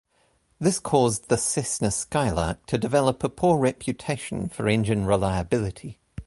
This caused the Cessna Skylark to develop a poor reputation for engine reliability.